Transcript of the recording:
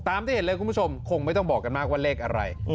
ที่เห็นเลยคุณผู้ชมคงไม่ต้องบอกกันมากว่าเลขอะไร